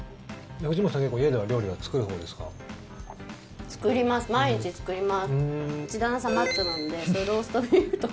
藤本さん、結構家では料理は作るほうですか？